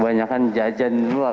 banyakkan jajan dulu pak